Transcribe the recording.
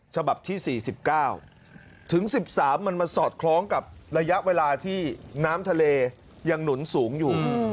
ฉบับที่๔๙ถึง๑๓มันมาสอดคล้องกับระยะเวลาที่น้ำทะเลยังหนุนสูงอยู่